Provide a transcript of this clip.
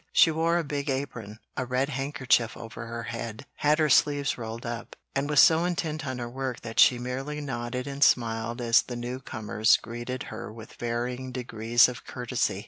She wore a big apron, a red handkerchief over her head, had her sleeves rolled up, and was so intent on her work that she merely nodded and smiled as the new comers greeted her with varying degrees of courtesy.